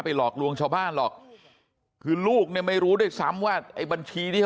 หลอกลวงชาวบ้านหรอกคือลูกเนี่ยไม่รู้ด้วยซ้ำว่าไอ้บัญชีที่เขา